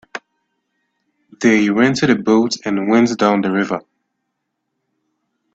They rented a boat and went down the river.